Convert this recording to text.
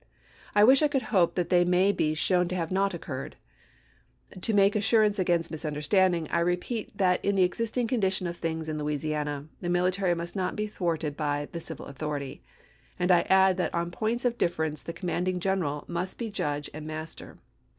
I wish I could hope that they may be shown to not have occurred. To make assurance against misunderstanding, I repeat that in the existing condition of things in Louisiana, the military must not be thwarted by the civil authority ; and I add that on points of dif ference the commanding general must be judge and mas ter.